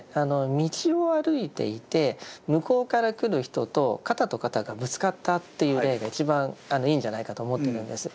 道を歩いていて向こうから来る人と肩と肩がぶつかったっていう例が一番いいんじゃないかと思ってるんです。